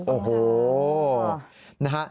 โอ้โห